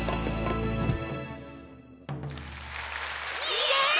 イエイ！